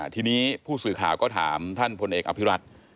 ทีนี้ผู้สื่อข่าวก็ถามท่านพลเอกอภิรัต